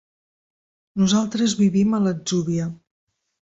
Nosaltres vivim a l'Atzúbia.